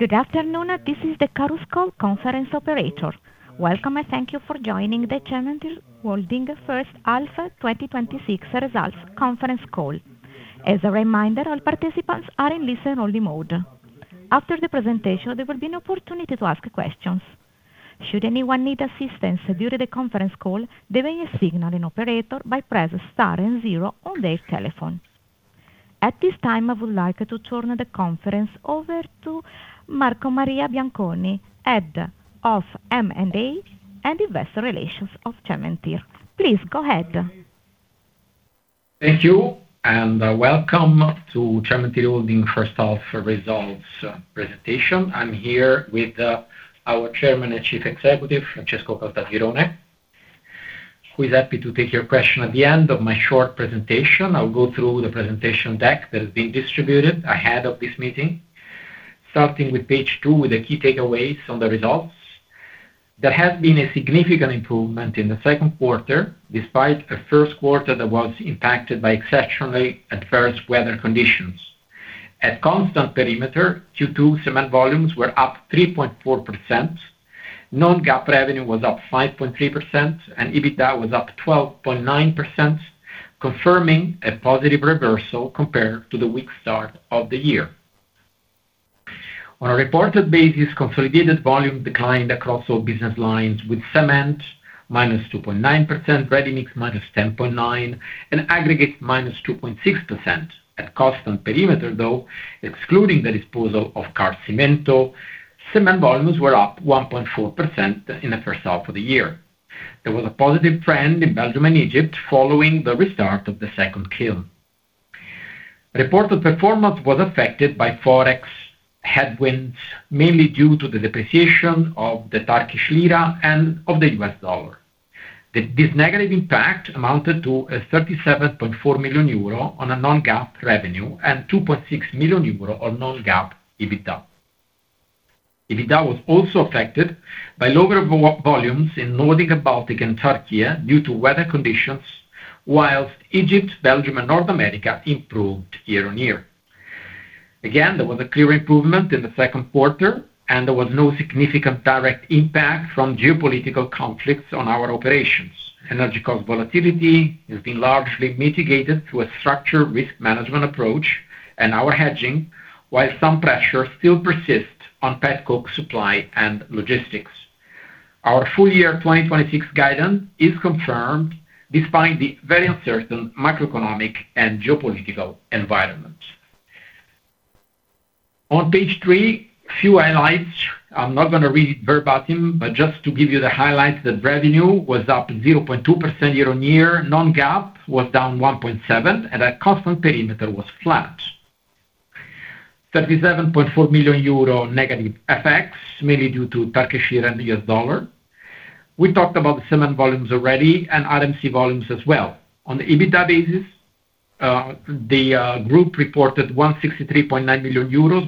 Good afternoon. This is the Chorus Call conference operator. Welcome, and thank you for joining the Cementir Holding First Half 2026 Results Conference Call. As a reminder, all participants are in listen-only mode. After the presentation, there will be an opportunity to ask questions. Should anyone need assistance during the conference call, they may signal an operator by pressing star and zero on their telephone. At this time, I would like to turn the conference over to Marco Maria Bianconi, Head of M&A and Investor Relations of Cementir Holding. Please go ahead. Thank you. Welcome to Cementir Holding first half results presentation. I am here with our Chairman and Chief Executive, Francesco Caltagirone, who is happy to take your question at the end of my short presentation. I will go through the presentation deck that has been distributed ahead of this meeting. Starting with page two, with the key takeaways from the results. There has been a significant improvement in the second quarter, despite a first quarter that was impacted by exceptionally adverse weather conditions. At constant perimeter, Q2 cement volumes were up 3.4%, non-GAAP revenue was up 5.3%, and EBITDA was up 12.9%, confirming a positive reversal compared to the weak start of the year. On a reported basis, consolidated volume declined across all business lines, with cement -2.9%, ready-mix -10.9%, and aggregate -2.6%. At constant perimeter, though, excluding the disposal of Kars Çimento, cement volumes were up 1.4% in the first half of the year. There was a positive trend in Belgium and Egypt following the restart of the second kiln. Reported performance was affected by Forex headwinds, mainly due to the depreciation of the Turkish lira and of the U.S. dollar. This negative impact amounted to 37.4 million euro on non-GAAP revenue and 2.6 million euro on non-GAAP EBITDA. EBITDA was also affected by lower volumes in Nordic & Baltic and Türkiye due to weather conditions, whilst Egypt, Belgium, and North America improved year-on-year. There was a clear improvement in the second quarter. There was no significant direct impact from geopolitical conflicts on our operations. Energy cost volatility has been largely mitigated through a structured risk management approach and our hedging, while some pressure still persists on petcoke supply and logistics. Our full year 2026 guidance is confirmed despite the very uncertain macroeconomic and geopolitical environment. On page three, a few highlights. I am not going to read it verbatim, but just to give you the highlights, that revenue was up 0.2% year-on-year, non-GAAP was down 1.7%. Our constant perimeter was flat. 37.4 million euro negative effects, mainly due to Turkish lira and the U.S. dollar. We talked about cement volumes already and RMC volumes as well. On the EBITDA basis, the group reported 163.9 million euros,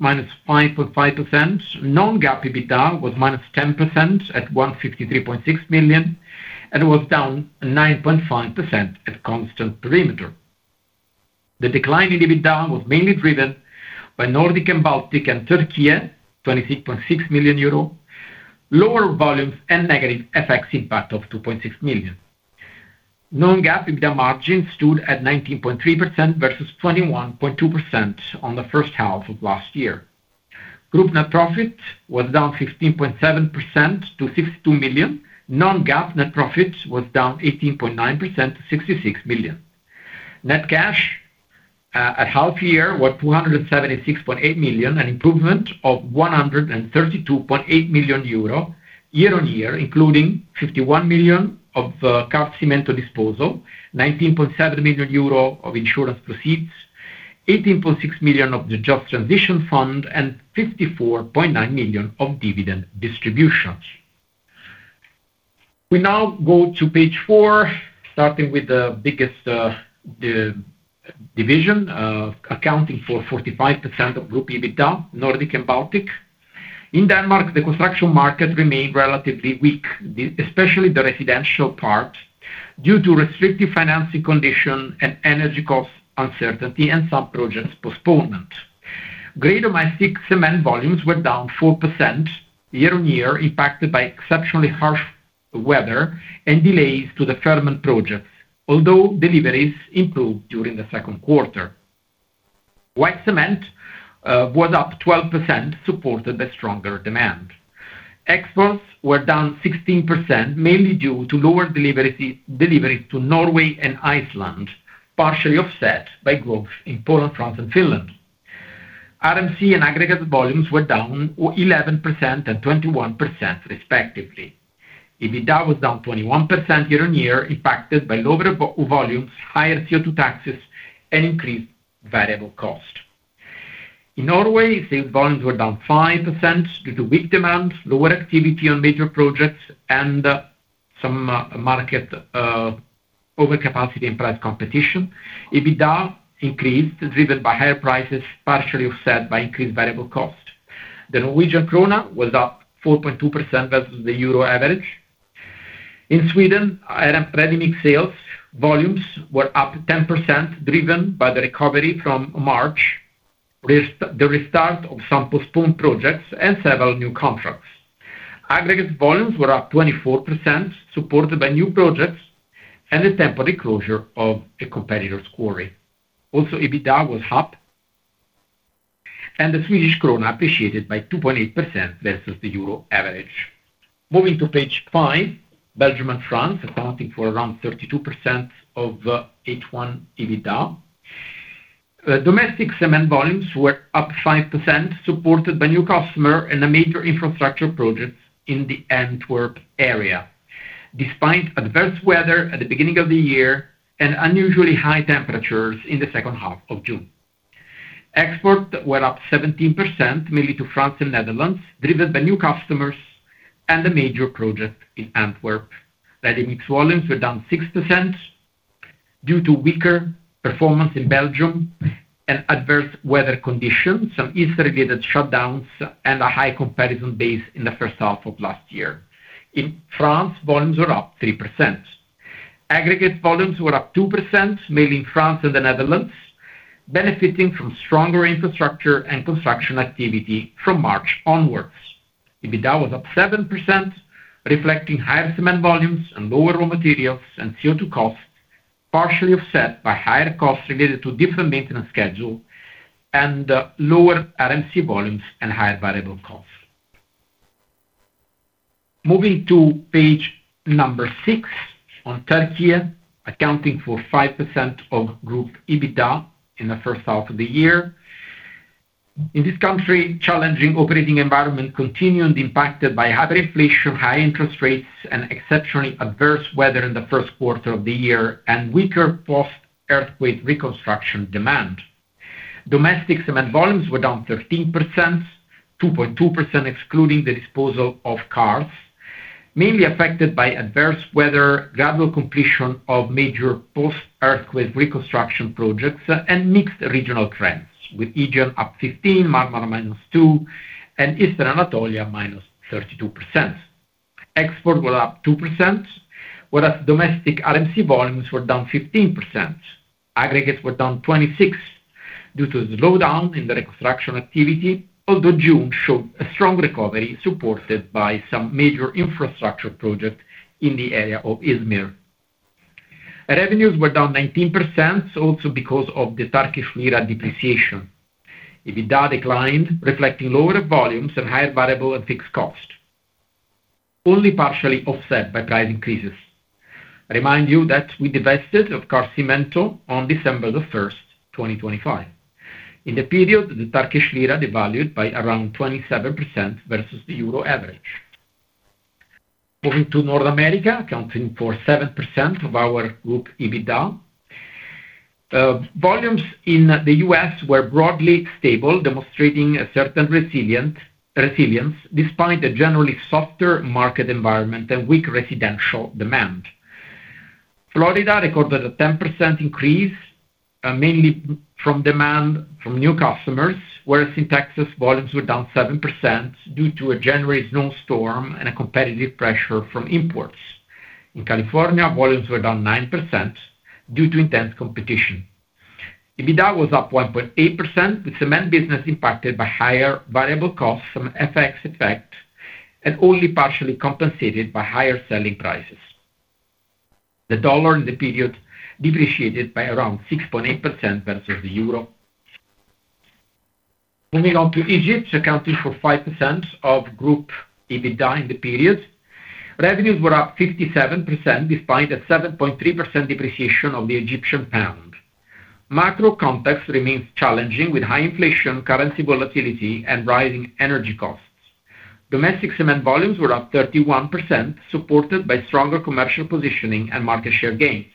-5.5%. Non-GAAP EBITDA was -10% at 153.6 million and was down 9.5% at constant perimeter. The decline in EBITDA was mainly driven by Nordic & Baltic and Türkiye at 26.6 million euro, lower volumes and negative FX impact of 2.6 million. Non-GAAP EBITDA margin stood at 19.3% versus 21.2% on the first half of last year. Group net profit was down 15.7% to 62 million. Non-GAAP net profit was down 18.9% to 66 million. Net cash at half year was 276.8 million, an improvement of 132.8 million euro year-on-year, including 51 million of Kars Çimento disposal, 19.7 million euro of insurance proceeds, 18.6 million of the Just Transition Fund, and 54.9 million of dividend distributions. We now go to page four, starting with the biggest division, accounting for 45% of group EBITDA, Nordic & Baltic. In Denmark, the construction market remained relatively weak, especially the residential part, due to restrictive financing condition and energy cost uncertainty and some projects postponement. Grey domestic cement volumes were down 4% year-on-year, impacted by exceptionally harsh weather and delays to the Fehmarn project, although deliveries improved during the second quarter. White cement was up 12%, supported by stronger demand. Exports were down 16%, mainly due to lower deliveries to Norway and Iceland, partially offset by growth in Poland, France, and Finland. RMC and aggregates volumes were down 11% and 21%, respectively. EBITDA was down 21% year-on-year, impacted by lower volumes, higher CO2 taxes, and increased variable cost. In Norway, sales volumes were down 5% due to weak demand, lower activity on major projects, and some market overcapacity and price competition. EBITDA increased, driven by higher prices, partially offset by increased variable cost. The Norwegian kroner was up 4.2% versus the EUR average. In Sweden, ready-mix sales volumes were up 10%, driven by the recovery from March, the restart of some postponed projects, and several new contracts. Aggregates volumes were up 24%, supported by new projects and the temporary closure of a competitor's quarry. Also, EBITDA was up, and the Swedish krona appreciated by 2.8% versus the EUR average. Moving to page five, Belgium and France, accounting for around 32% of H1 EBITDA. Domestic cement volumes were up 5%, supported by new customer and the major infrastructure projects in the Antwerp area, despite adverse weather at the beginning of the year and unusually high temperatures in the second half of June. Exports were up 17%, mainly to France and Netherlands, driven by new customers and a major project in Antwerp. Ready-mix volumes were down 6% due to weaker performance in Belgium and adverse weather conditions, some Easter-related shutdowns, and a high comparison base in the first half of last year. In France, volumes were up 3%. Aggregates volumes were up 2%, mainly in France and the Netherlands, benefiting from stronger infrastructure and construction activity from March onwards. EBITDA was up 7%, reflecting higher cement volumes and lower raw materials and CO2 costs, partially offset by higher costs related to different maintenance schedule and lower RMC volumes and higher variable costs. Moving to page number six on Türkiye, accounting for 5% of group EBITDA in the first half of the year. In this country, challenging operating environment continued, impacted by hyperinflation, high interest rates, and exceptionally adverse weather in the first quarter of the year, and weaker post-earthquake reconstruction demand. Domestic cement volumes were down 13%, 2.2% excluding the disposal of Kars. Mainly affected by adverse weather, gradual completion of major post-earthquake reconstruction projects, and mixed regional trends with Aegean up 15%, Marmara -2%, and Eastern Anatolia -32%. Exports were up 2%, whereas domestic RMC volumes were down 15%. Aggregates were down 26% due to a slowdown in the reconstruction activity, although June showed a strong recovery supported by some major infrastructure projects in the area of Izmir. Revenues were down 19%, also because of the Turkish lira depreciation. EBITDA declined, reflecting lower volumes and higher variable and fixed costs, only partially offset by price increases. I remind you that we divested of Kars Çimento on December 1st, 2025. In the period, the Turkish lira devalued by around 27% versus the Euro average. Moving to North America, accounting for 7% of our group EBITDA. Volumes in the U.S. were broadly stable, demonstrating a certain resilience despite a generally softer market environment and weak residential demand. Florida recorded a 10% increase, mainly from demand from new customers, whereas in Texas, volumes were down 7% due to a January snowstorm and a competitive pressure from imports. In California, volumes were down 9% due to intense competition. EBITDA was up 1.8% with cement business impacted by higher variable costs from FX effect and only partially compensated by higher selling prices. The dollar in the period depreciated by around 6.8% versus the Euro. Moving on to Egypt, accounting for 5% of group EBITDA in the period. Revenues were up 57%, despite a 7.3% depreciation of the Egyptian pound. Macro context remains challenging with high inflation, currency volatility, and rising energy costs. Domestic cement volumes were up 31%, supported by stronger commercial positioning and market share gains.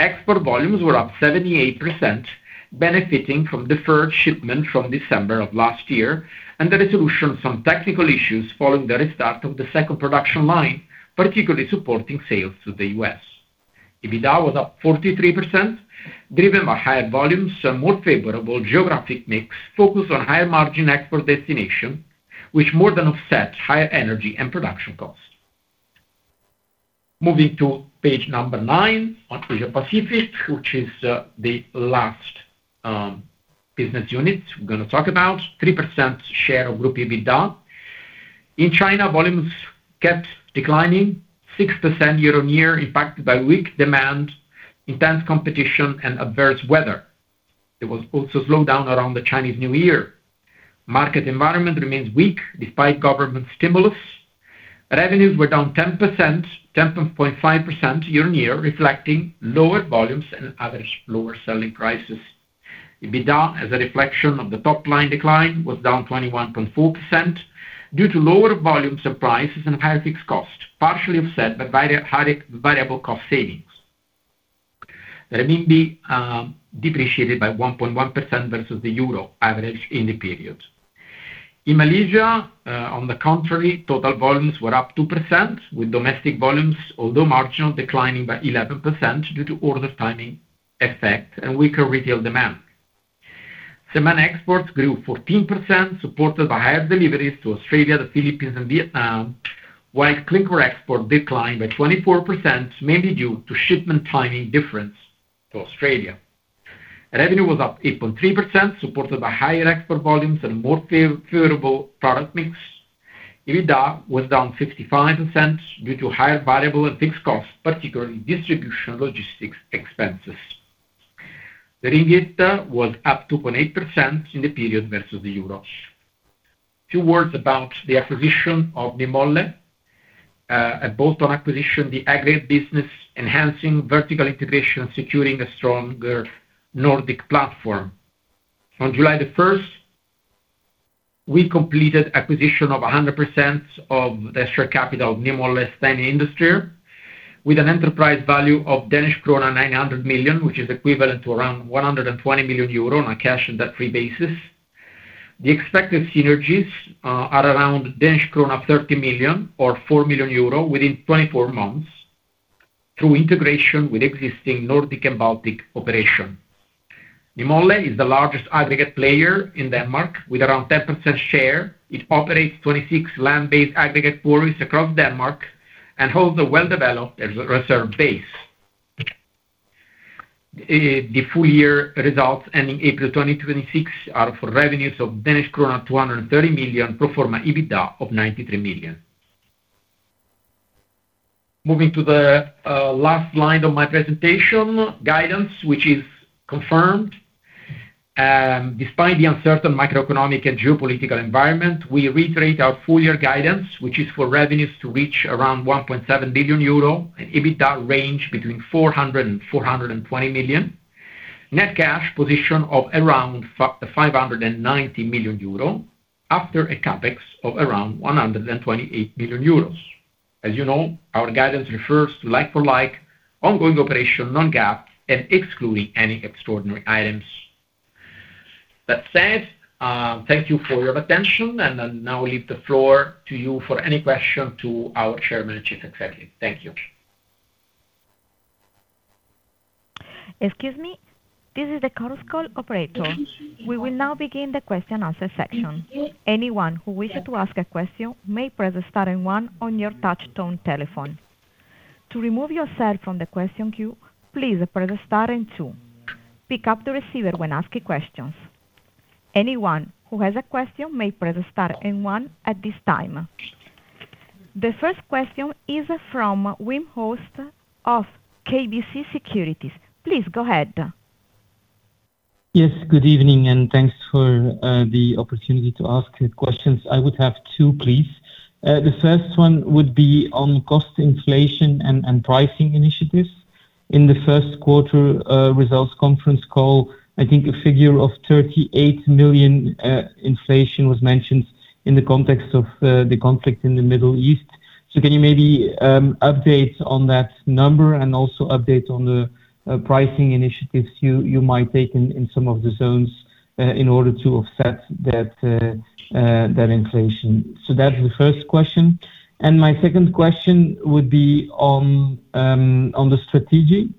Export volumes were up 78%, benefiting from deferred shipment from December of last year and the resolution of some technical issues following the restart of the second production line, particularly supporting sales to the U.S. EBITDA was up 43%, driven by higher volumes and more favorable geographic mix focused on higher margin export destinations, which more than offset higher energy and production costs. Moving to page number nine on Asia Pacific, which is the last business unit we're going to talk about, 3% share of group EBITDA. In China, volumes kept declining 6% year-on-year, impacted by weak demand, intense competition, and adverse weather. There was also a slowdown around the Chinese New Year. Market environment remains weak despite government stimulus. Revenues were down 10.5% year-on-year, reflecting lower volumes and adverse lower selling prices. EBITDA, as a reflection of the top-line decline, was down 21.4% due to lower volumes and prices and higher fixed costs, partially offset by higher variable cost savings. The renminbi depreciated by 1.1% versus the Euro average in the period. In Malaysia, on the contrary, total volumes were up 2% with domestic volumes, although marginal, declining by 11% due to order timing effect and weaker retail demand. Cement exports grew 14%, supported by higher deliveries to Australia, the Philippines, and Vietnam, while clinker exports declined by 24%, mainly due to shipment timing difference to Australia. Revenues were up 8.3%, supported by higher export volumes and more favorable product mix. EBITDA was down 55% due to higher variable and fixed costs, particularly distribution logistics expenses. The ringgit EBITDA was up 2.8% in the period versus the Euro. Two words about the acquisition of Nymølle. A bolt-on acquisition, the aggregate business enhancing vertical integration, securing a stronger Nordic platform. On July 1st, we completed acquisition of 100% of the extra capital of Nymølle Stenindustrier, with an enterprise value of Danish krone 900 million, which is equivalent to around 120 million euro on a cash and debt-free basis. The expected synergies are around Danish krone 30 million or 4 million euro within 24 months through integration with existing Nordic & Baltic operations. Nymølle is the largest aggregate player in Denmark with around 10% share. It operates 26 land-based aggregate quarries across Denmark and holds a well-developed reserve base. The full year results ending April 2026 are for revenues of Danish krone 230 million, pro forma EBITDA of 93 million. Moving to the last line of my presentation, guidance, which is confirmed. Despite the uncertain macroeconomic and geopolitical environment, we reiterate our full year guidance, which is for revenues to reach around 1.7 billion euro and EBITDA range between 400 million and 420 million, net cash position of around 590 million euro, after a CapEx of around 128 million euros. As you know, our guidance refers to like-for-like ongoing operation, non-GAAP, and excluding any extraordinary items. That said, thank you for your attention and I now leave the floor to you for any question to our Chairman and Chief Executive. Thank you. Excuse me. This is the conference call operator. We will now begin the question and answer section. Anyone who wishes to ask a question may press star and one on your touch-tone telephone. To remove yourself from the question queue, please press star and two. Pick up the receiver when asking questions. Anyone who has a question may press star and one at this time. The first question is from Wim Hoste of KBC Securities. Please go ahead. Yes, good evening. Thanks for the opportunity to ask questions. I would have two, please. The first one would be on cost inflation and pricing initiatives. In the first quarter results conference call, I think a figure of 38 million inflation was mentioned in the context of the conflict in the Middle East. Can you maybe update on that number and also update on the pricing initiatives you might take in some of the zones in order to offset that inflation? That's the first question. My second question would be on the strategy.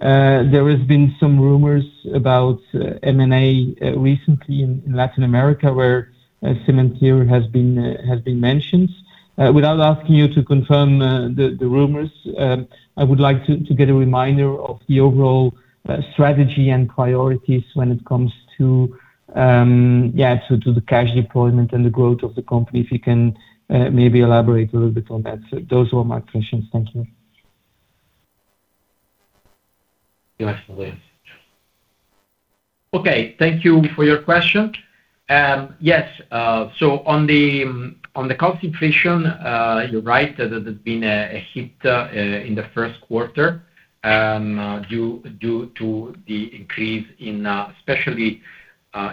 There has been some rumors about M&A recently in Latin America where Cementir has been mentioned. Without asking you to confirm the rumors, I would like to get a reminder of the overall strategy and priorities when it comes to the cash deployment and the growth of the company. If you can maybe elaborate a little bit on that. Those were my questions. Thank you. Yes, please. Okay, thank you for your question. Yes, on the cost inflation, you're right that there's been a hit in the first quarter due to the increase in especially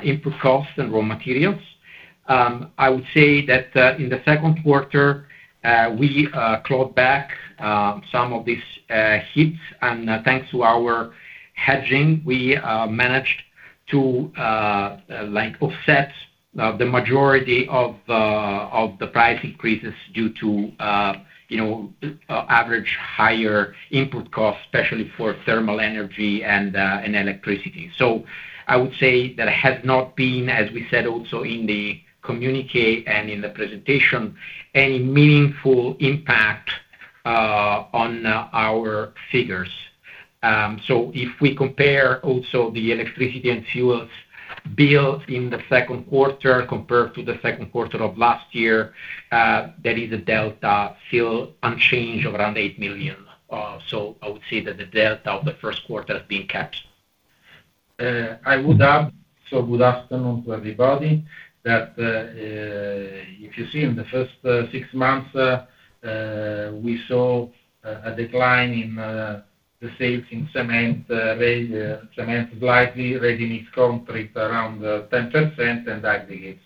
input costs and raw materials. I would say that in the second quarter, we clawed back some of these hits, and thanks to our hedging, we managed to offset the majority of the price increases due to average higher input costs, especially for thermal energy and electricity. I would say that has not been, as we said, also in the communique and in the presentation, any meaningful impact on our figures. If we compare also the electricity and fuels bill in the second quarter compared to the second quarter of last year, there is a delta still unchanged of around 8 million. I would say that the delta of the first quarter has been kept. Good afternoon to everybody. If you see in the first six months, we saw a decline in the sales in cement slightly, ready-mix concrete around 10%, and aggregates.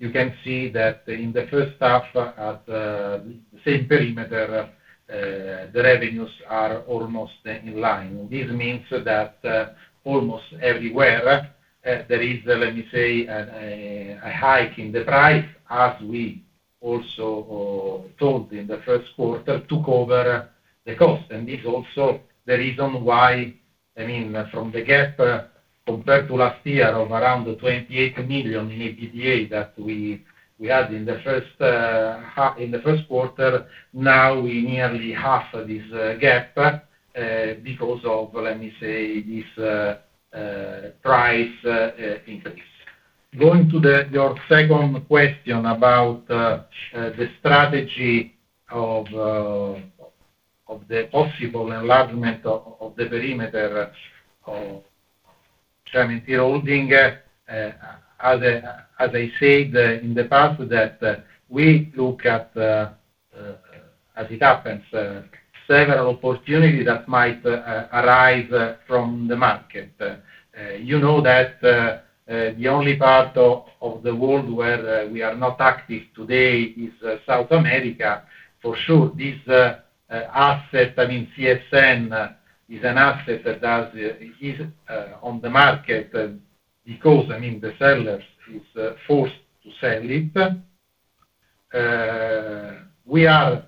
You can see that in the first half at the same perimeter, the revenues are almost in line. This means that almost everywhere there is, let me say, a hike in the price as we also told in the first quarter to cover the cost. This also the reason why, from the gap compared to last year of around 28 million in EBITDA that we had in the first quarter, now we nearly half this gap, because of, let me say, this price increase. Going to your second question about the strategy of the possible enlargement of the perimeter of Cementir Holding. As I said in the past, that we look at, as it happens, several opportunities that might arise from the market. You know that the only part of the world where we are not active today is South America. For sure, this asset, I mean, CSN, is an asset that is on the market because the seller is forced to sell it. We are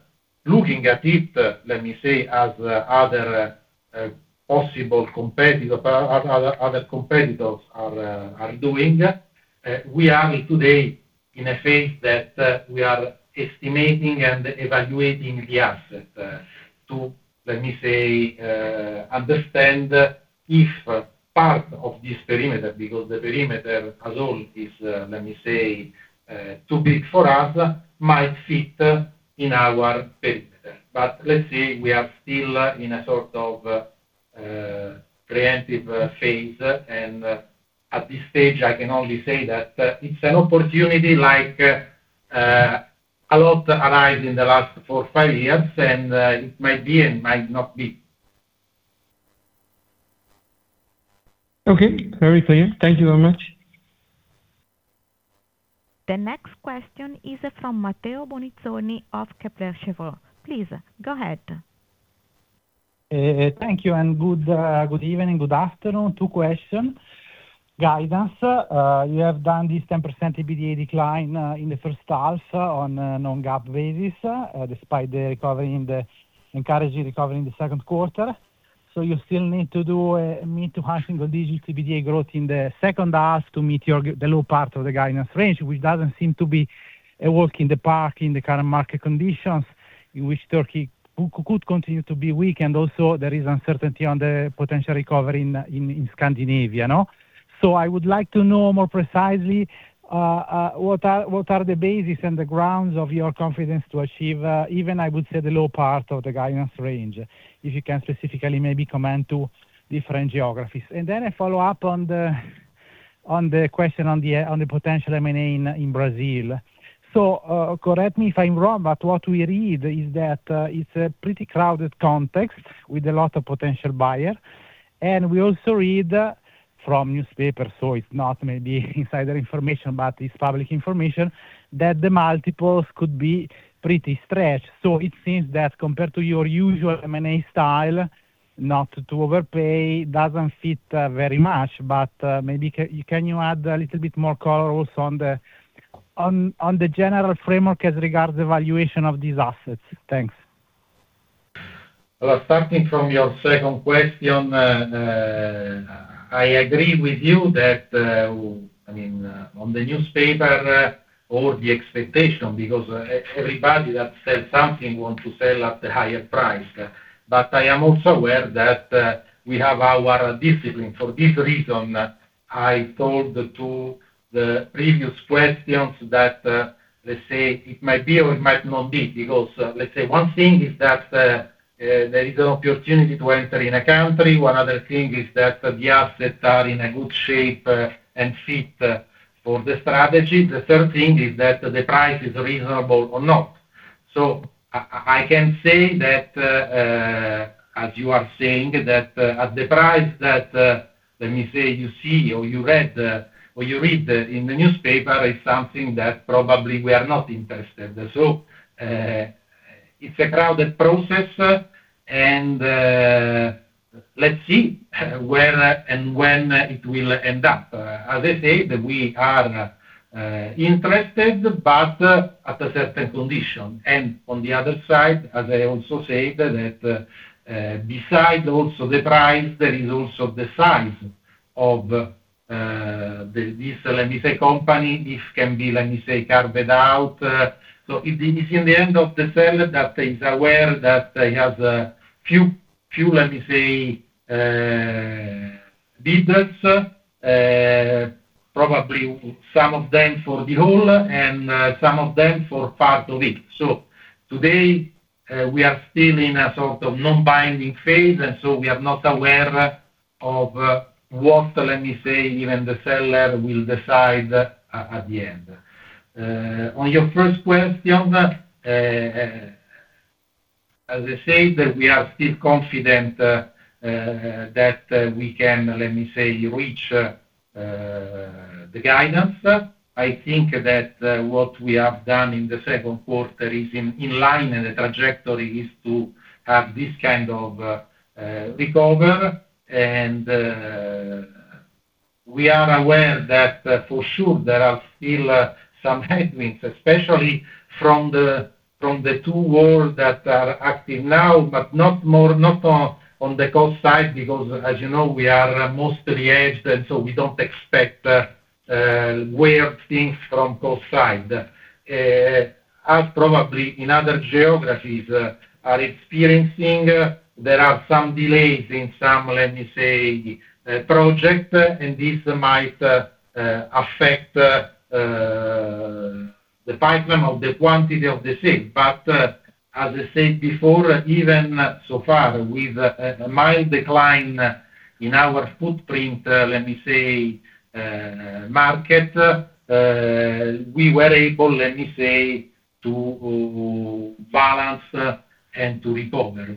looking at it, let me say, as other competitors are doing. We are today in a phase that we are estimating and evaluating the asset to, let me say, understand if part of this perimeter. Because the perimeter as a whole is, let me say, too big for us, might fit in our perimeter. Let's see, we are still in a sort of preemptive phase, at this stage, I can only say that it's an opportunity like a lot arise in the last four, five years. It might be and might not be. Okay, very clear. Thank you very much. The next question is from Matteo Bonizzoni of Kepler Cheuvreux. Please, go ahead. Thank you, good evening. Good afternoon. Two question. Guidance, you have done this 10% EBITDA decline in the first half on non-GAAP basis, despite encouraging recovery in the second quarter. You still need to do a mid- to high-single-digit EBITDA growth in the second half to meet the low part of the guidance range, which doesn't seem to be a walk in the park in the current market conditions, in which Türkiye could continue to be weak. Also, there is uncertainty on the potential recovery in Scandinavia. I would like to know more precisely, what are the basis and the grounds of your confidence to achieve, even, I would say, the low part of the guidance range. If you can specifically maybe comment to different geographies. Then a follow-up on the question on the potential M&A in Brazil. Correct me if I'm wrong, what we read is that it's a pretty crowded context with a lot of potential buyer, and we also read from newspapers, it's not maybe insider information, but it's public information, that the multiples could be pretty stretched. It seems that compared to your usual M&A style, not to overpay, doesn't fit, very much. Maybe, can you add a little bit more color also on the general framework as regards the valuation of these assets? Thanks. Well, starting from your second question, I agree with you that, on the newspaper, or the expectation, because everybody that sells something want to sell at the higher price. I am also aware that we have our discipline. For this reason, I told to the previous questions that, let's say, it might be or it might not be, because, let's say, one thing is that, there is an opportunity to enter in a country. One other thing is that the assets are in a good shape, and fit for the strategy. The third thing is that the price is reasonable or not. I can say that, as you are saying, that at the price that, let me say, you see, or you read in the newspaper, is something that probably we are not interested. It's a crowded process, and let's see where and when it will end up. As I said, we are interested, but at a certain condition. On the other side, as I also said, that besides also the price, there is also the size of this company. This can be carved out. It is in the end of the seller that is aware that he has a few, let me say, bidders, probably some of them for the whole and some of them for part of it. Today, we are still in a sort of non-binding phase, and so we are not aware of what even the seller will decide at the end. On your first question, as I said, we are still confident that we can reach the guidance. I think that what we have done in the second quarter is in line, and the trajectory is to have this kind of recover. We are aware that for sure there are still some headwinds, especially from the two wars that are active now, but not on the coast side, because as you know, we are mostly edged, we don't expect weird things from coast side. As probably in other geographies are experiencing, there are some delays in some, let me say, project, and this might affect the pipeline of the quantity of the sale. As I said before, even so far, with a mild decline in our footprint, let me say, market, we were able, let me say, to balance and to recover.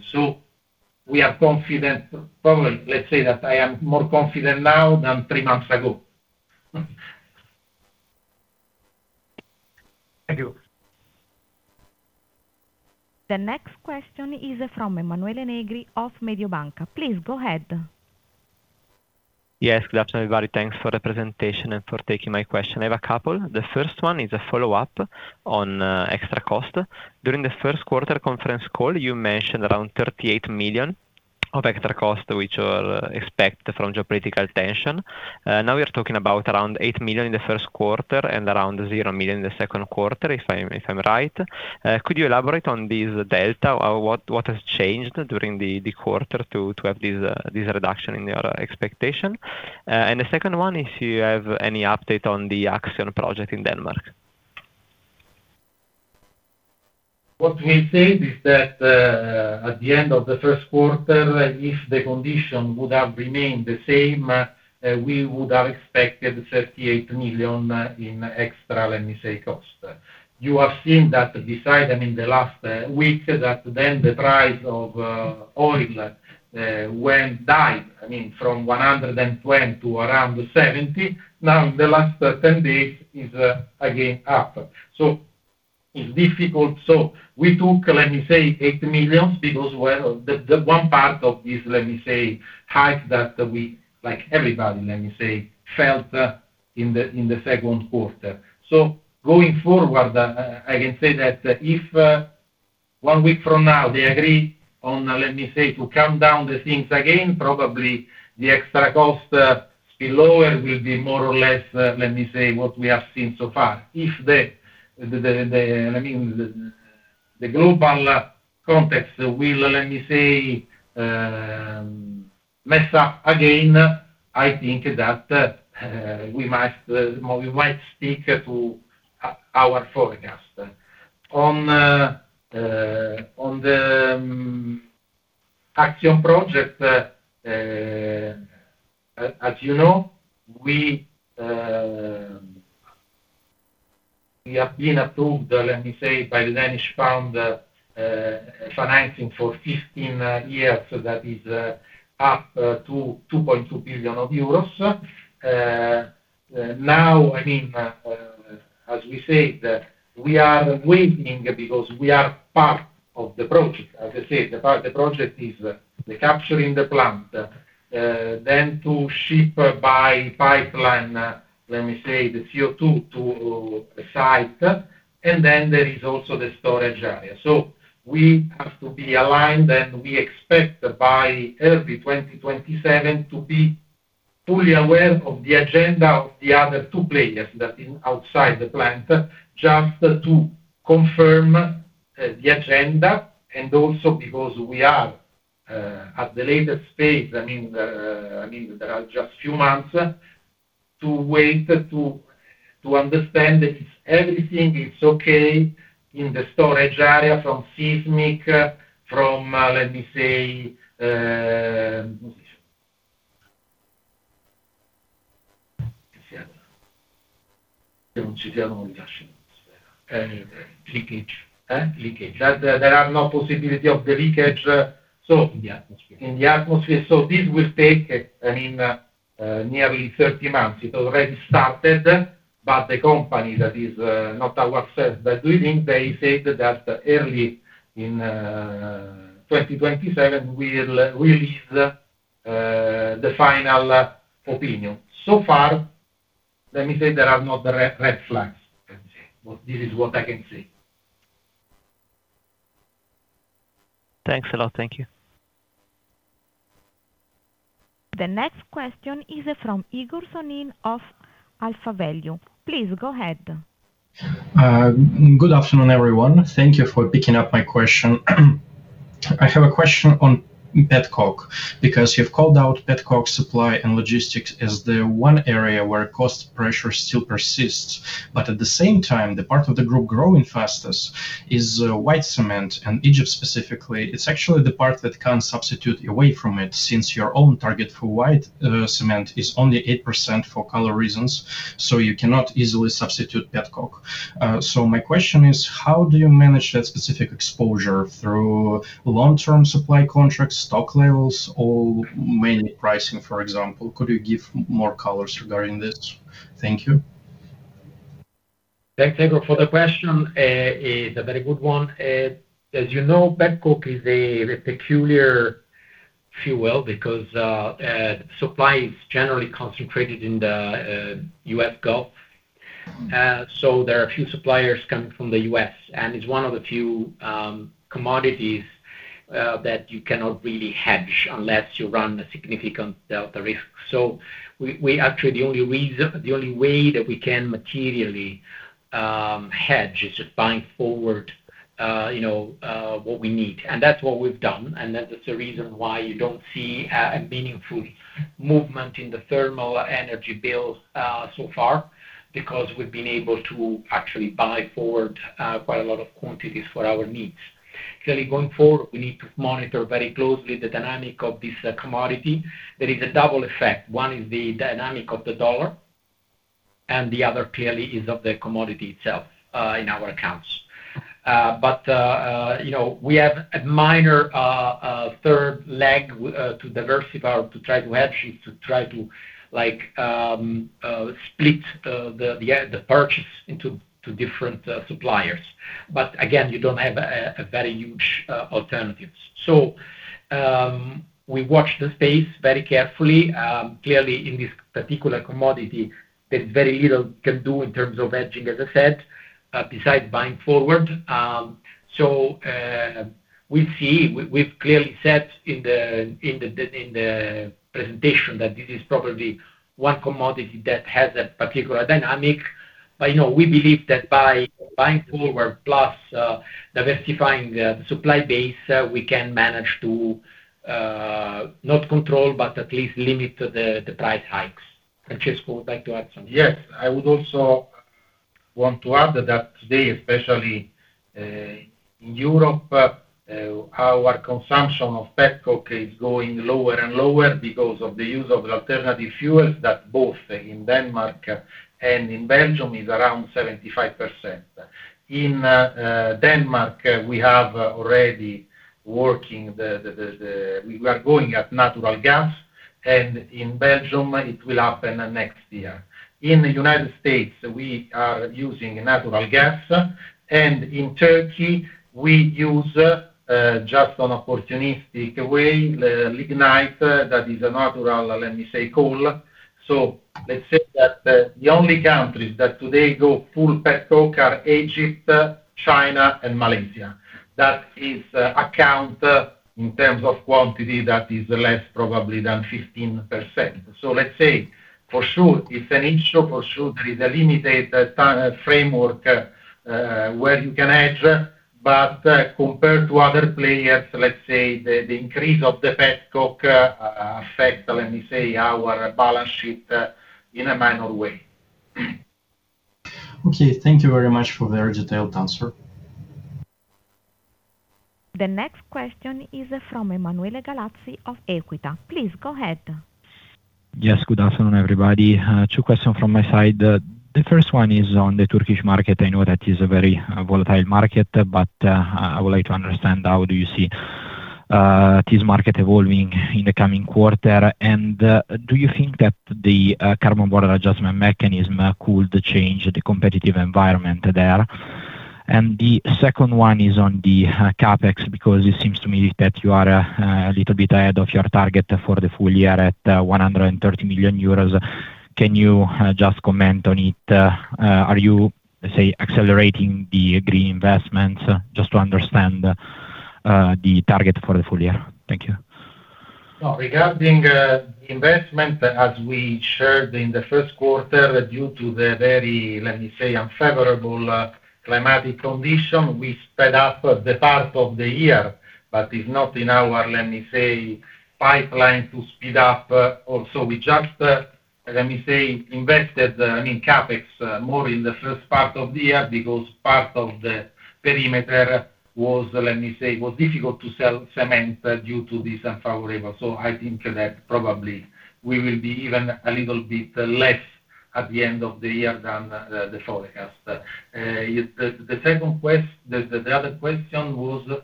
We are confident. Probably, let's say that I am more confident now than three months ago. Thank you. The next question is from Emanuele Negri of Mediobanca. Please, go ahead. Yes, good afternoon, everybody. Thanks for the presentation and for taking my question. I have a couple. The first one is a follow-up on extra cost. During the first quarter conference call, you mentioned around 38 million of extra cost, which you expect from geopolitical tension. Now you're talking about around 8 million in the first quarter and around 0 million in the second quarter, if I'm right. Could you elaborate on this delta or what has changed during the quarter to have this reduction in your expectation? And the second one, if you have any update on the ACCSION project in Denmark. What we said is that, at the end of the first quarter, if the condition would have remained the same, we would have expected 38 million in extra, let me say, cost. You have seen that, beside them in the last week, that then the price of oil went dive, from 120 to around 70. Now, in the last 10 days is again up. It's difficult. We took, let me say, 8 million because, well, the one part of this, let me say, hike that we, like everybody, let me say, felt in the second quarter. Going forward, I can say that if one week from now they agree on, let me say, to calm down the things again, probably the extra cost will be lower, will be more or less, let me say, what we have seen so far. If the global context will, let me say, mess up again, I think that we might stick to our forecast. On the ACCSION project, as you know, we have been approved, let me say, by the Danish fund, financing for 15 years. That is up to 2.2 billion euros. As we said, we are waiting because we are part of the project. As I said, the project is the capturing the plant, then to ship by pipeline, let me say, the CO2 to a site, and then there is also the storage area. We have to be aligned, and we expect by early 2027 to be fully aware of the agenda of the other two players that in outside the plant, just to confirm the agenda and also because we are at the later stage, there are just few months to wait to understand if everything is okay in the storage area, from seismic, from, let me say, leakage. There are no possibility of the leakage. In the atmosphere. in the atmosphere. This will take nearly 30 months. It already started, but the company that is not ourselves, but leading, they said that early in 2027, will release the final opinion. So far, let me say, there are no red flags. This is what I can say. Thanks a lot. Thank you. The next question is from Egor Sonin of AlphaValue. Please, go ahead. Good afternoon, everyone. Thank you for picking up my question. I have a question on petcoke, because you've called out petcoke supply and logistics as the one area where cost pressure still persists. At the same time, the part of the group growing fastest is white cement, and Egypt specifically. It's actually the part that can substitute away from it, since your own target for white cement is only 8% for color reasons, so you cannot easily substitute petcoke. My question is, how do you manage that specific exposure? Through long-term supply contracts, stock levels, or maybe pricing, for example? Could you give more colors regarding this? Thank you. Thanks, Egor, for the question. It's a very good one. As you know, petcoke is a peculiar fuel because supply is generally concentrated in the U.S. Gulf. There are a few suppliers coming from the U.S., and it's one of the few commodities that you cannot really hedge unless you run a significant delta risk. Actually, the only way that we can materially hedge is just buying forward what we need. That's what we've done, and that's the reason why you don't see a meaningful movement in the thermal energy bill so far, because we've been able to actually buy forward quite a lot of quantities for our needs. Clearly, going forward, we need to monitor very closely the dynamic of this commodity. There is a double effect. One is the dynamic of the dollar, the other clearly is of the commodity itself in our accounts. We have a minor third leg to diversify or to try to hedge is to try to split the purchase into two different suppliers. Again, you don't have very huge alternatives. We watch the space very carefully. Clearly, in this particular commodity, there's very little you can do in terms of hedging, as I said, besides buying forward. We've clearly said in the presentation that this is probably one commodity that has a particular dynamic. We believe that by buying forward, plus diversifying the supply base, we can manage to not control, but at least limit the price hikes. Francesco, would like to add something? Yes. I would also want to add that today, especially in Europe, our consumption of petcoke is going lower and lower because of the use of alternative fuels that both in Denmark and in Belgium is around 75%. In Denmark, we are going at natural gas. In Belgium it will happen next year. In the U.S., we are using natural gas. In Türkiye we use, just on opportunistic way, lignite, that is a natural, let me say, coal. Let's say that the only countries that today go full petcoke are Egypt, China and Malaysia. That is account in terms of quantity that is less probably than 15%. Let's say, for sure it's an issue, for sure there is a limited framework where you can hedge. Compared to other players, let's say, the increase of the petcoke affect our balance sheet in a minor way. Okay. Thank you very much for the very detailed answer. The next question is from Emanuele Gallazzi of Equita. Please go ahead. Yes, good afternoon, everybody. Two questions from my side. The first one is on the Turkish market. I know that is a very volatile market, but I would like to understand how do you see this market evolving in the coming quarter, do you think that the Carbon Border Adjustment Mechanism could change the competitive environment there? The second one is on the CapEx, because it seems to me that you are a little bit ahead of your target for the full year at 130 million euros. Can you just comment on it? Are you, say, accelerating the green investments? Just to understand the target for the full year. Thank you. Regarding investment, as we shared in the first quarter, due to the very unfavorable climatic condition, we sped up the part of the year. It's not in our pipeline to speed up. We just invested, I mean, CapEx, more in the first part of the year because part of the perimeter was difficult to sell cement due to this unfavorable. I think that probably we will be even a little bit less at the end of the year than the forecast. The other question was?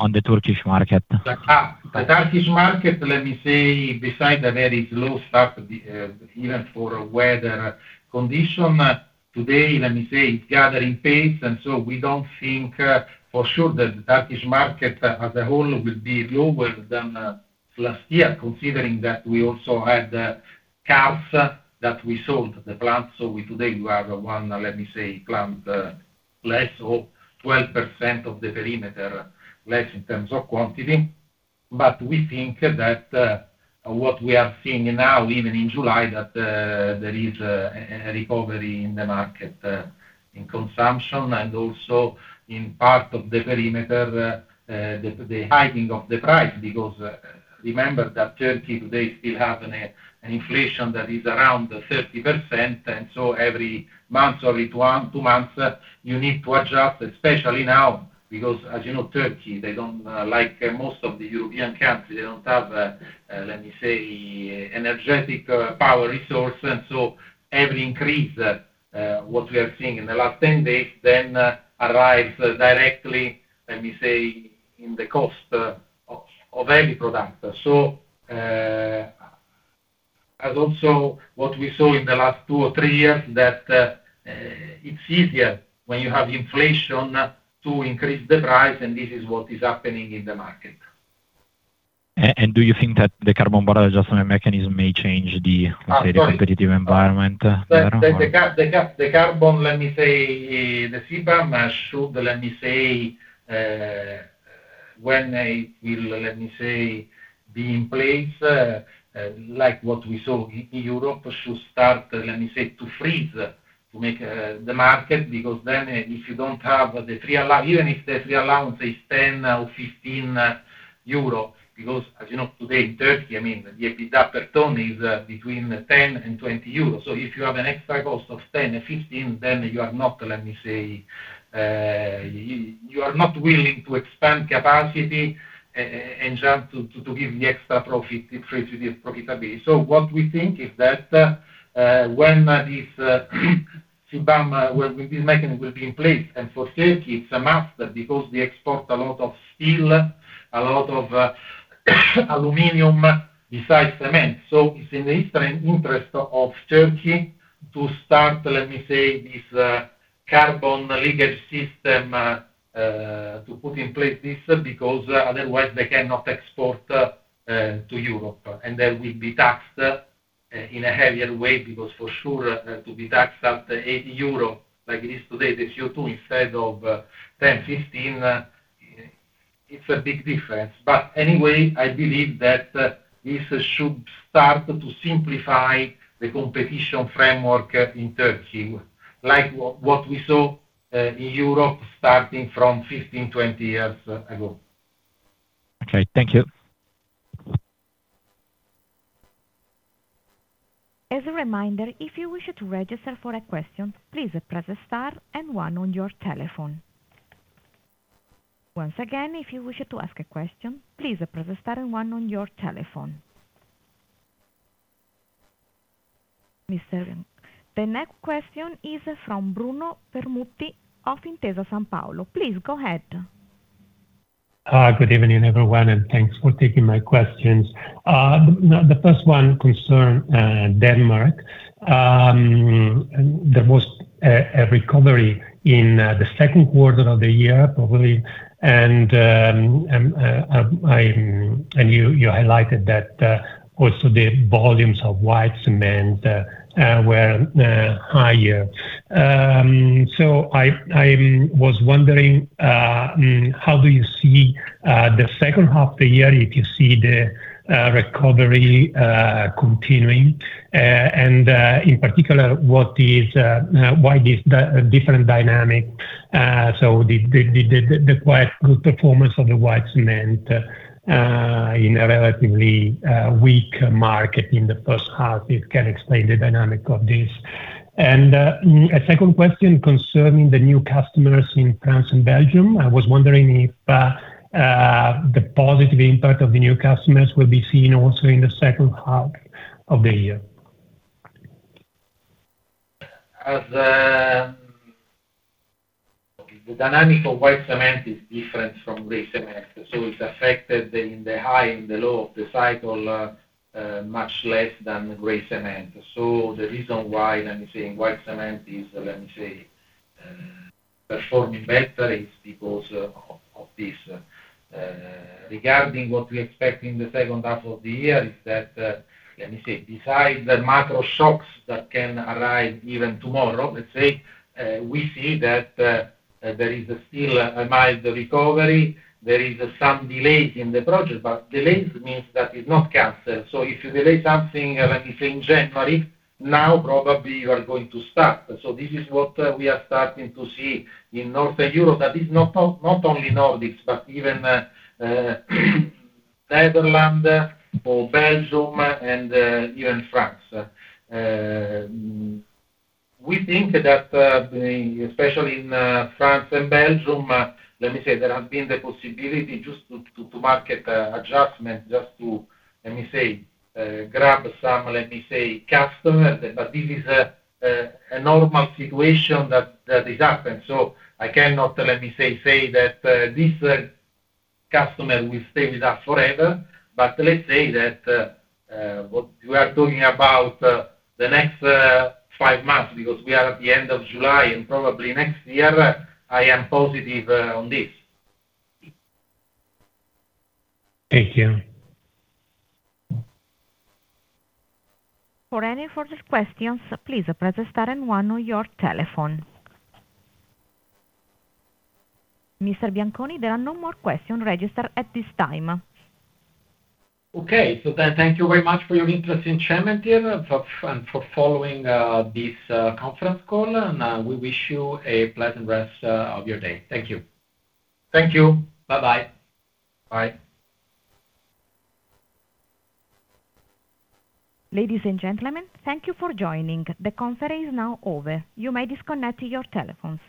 On the Turkish market. The Turkish market, besides the very slow start, even for weather conditions, today it's gathering pace. We don't think for sure that the Turkish market as a whole will be lower than last year, considering that we also had Kars, that we sold the plant. Today we have one plant less, or 12% of the perimeter less in terms of quantity. We think that what we are seeing now, even in July, that there is a recovery in the market in consumption and also in part of the perimeter, the hiking of the price. Remember that Türkiye today still has an inflation that is around 30%. Every month or two months, you need to adjust, especially now, because as you know, Türkiye doesn't, like most of the European countries, have energy resources. Every increase, what we are seeing in the last 10 days, arrives directly in the cost of every product. What we saw in the last two or three years, that it's easier when you have inflation to increase the price, and this is what is happening in the market. Do you think that the Carbon Border Adjustment Mechanism may change? Sorry? competitive environment there? The carbon, let me say, the CBAM should, when it will be in place, like what we saw in Europe, should start to freeze to make the market, because then if you don't have the free allowance, even if the free allowance is 10 or 15 euro, because as you know, today in Türkiye, the EBITDA per ton is between 10 and 20 euro. If you have an extra cost of 10 or 15, then you are not willing to expand capacity and just to give the extra profit, the trade profitability. What we think is that when this CBAM mechanism will be in place, and for Türkiye, it's a must because they export a lot of steel, a lot of aluminum, besides cement. It's in the interest of Türkiye to start this carbon leakage system, to put in place this, because otherwise they cannot export to Europe, and they will be taxed in a heavier way, because for sure, to be taxed at 80 euro, like it is today, the CO2, instead of 10, 15, it's a big difference. Anyway, I believe that this should start to simplify the competition framework in Türkiye, like what we saw in Europe starting from 15, 20 years ago. Okay. Thank you. As a reminder, if you wish to register for a question, please press star and one on your telephone. Once again, if you wish to ask a question, please press star and one on your telephone. The next question is from Bruno Permutti of Intesa Sanpaolo. Please go ahead. Hi, good evening, everyone, thanks for taking my questions. The first one concerns Denmark. There was a recovery in the second quarter of the year, and you highlighted that also the volumes of white cement were higher. I was wondering, how do you see the second half of the year, if you see the recovery continuing? In particular, why this different dynamic, the quite good performance of the white cement in a relatively weak market in the first half, if you can explain the dynamic of this. A second question concerning the new customers in France and Belgium. I was wondering if the positive impact of the new customers will be seen also in the second half of the year. The dynamic of white cement is different from grey cement, it's affected in the high and the low of the cycle much less than the grey cement. The reason why white cement is performing better is because of this. Regarding what we expect in the second half of the year is that, besides the macro shocks that can arrive even tomorrow, we see that there is still a mild recovery. There is some delays in the project, but delays mean that it's not canceled. If you delay something in January, now probably you are going to start. This is what we are starting to see in Northern Europe. That is not only Nordics, but even Netherlands or Belgium and even France. We think that especially in France and Belgium, there has been the possibility just to market adjustment, just to grab some customers. This is a normal situation that happens. I cannot say that this customer will stay with us forever. Let's say that what we are talking about the next five months, because we are at the end of July and probably next year, I am positive on this. Thank you. For any further questions, please press star and one on your telephone. Mr. Bianconi, there are no more questions registered at this time. Okay. Thank you very much for your interest in Cementir and for following this conference call. We wish you a pleasant rest of your day. Thank you. Thank you. Bye-bye. Bye. Ladies and gentlemen, thank you for joining. The conference is now over. You may disconnect your telephones.